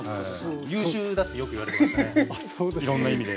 優秀だってよく言われてましたねいろんな意味で。